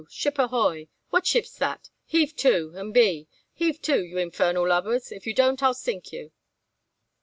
Ship ahoy! What ship's that? Heave to, and be Heave to, you infernal lubbers! if you don't I'll sink you!"